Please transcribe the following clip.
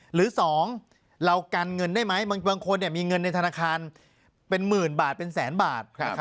หรือ๒เรากันเงินได้ไหมบางคนมีเงินในธนาคารเป็นหมื่นบาทเป็นแสนบาท